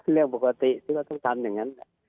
เรื่องปกติที่เราต้องทำอย่างนั้น